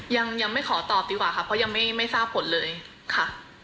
ยังไม่ขอตอบดีกว่าค่ะเพราะยังไม่ทราบผลเลยค่ะ